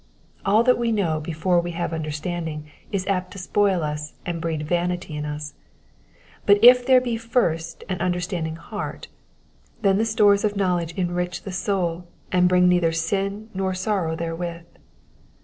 All that we know before we have understanding is apt to spoil us and breed vanity in us ; but if there be first an understanding heart, then the stores of knowledge enrich the soul, and bring neither sin nor sorrow therewith.